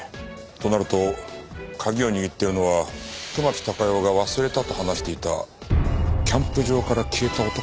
となると鍵を握っているのは熊木貴代が忘れたと話していたキャンプ場から消えた男だな。